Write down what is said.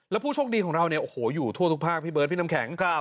แล้วผู้โชคดีของเราเนี่ยโอ้โหอยู่ทั่วทุกภาคพี่เบิร์ดพี่น้ำแข็ง